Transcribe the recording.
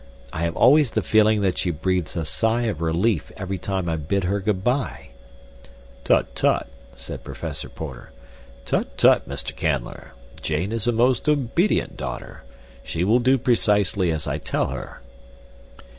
I have always the feeling that she breathes a sigh of relief every time I bid her good by." "Tut, tut," said Professor Porter. "Tut, tut, Mr. Canler. Jane is a most obedient daughter. She will do precisely as I tell her."